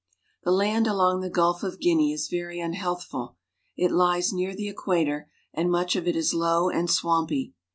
The land along the Gulf of Guinea is very unhealthful. It lies near the equator, and much of it is low and swampy.